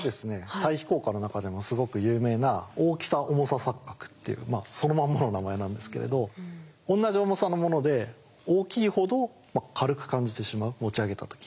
対比効果の中でもすごく有名な「大きさ−重さ錯覚」っていうそのまんまの名前なんですけれど同じ重さのもので大きいほど軽く感じてしまう持ち上げた時に。